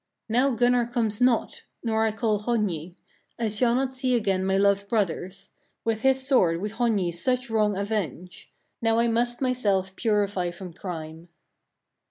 8. "Now Gunnar comes not, nor call I Hogni: I shall not see again my loved brothers: with his sword would Hogni such wrong avenge: now I must myself purify from crime."